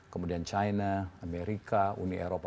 kemudian china amerika uni eropa